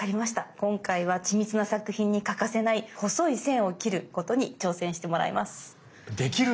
今回は緻密な作品に欠かせない細い線を切ることに挑戦してもらいます。